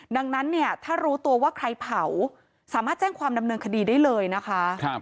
ดังนั้นเนี่ยถ้ารู้ตัวว่าใครเผาสามารถแจ้งความดำเนินคดีได้เลยนะคะ